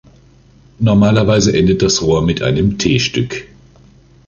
Normalerweise endet das Rohr mit einem T-Stück.